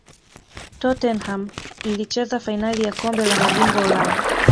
tottenham ilicheza fainali ya kombe la mabingwa ulaya